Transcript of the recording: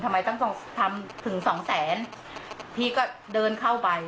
ทำไมต้องต้องทำถึงสองแสนพี่ก็เดินเข้าไป